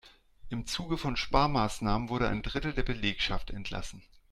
Im Zuge von Sparmaßnahmen wurde ein Drittel der Belegschaft entlassen.